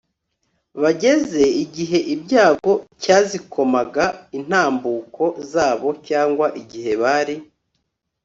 bageze igihe ibyago cyazikomaga intambuko zabo cyangwa igihe bari